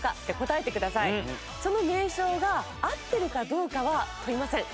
その名称が合ってるかどうかは問いません。